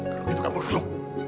kalau gitu kamu duduk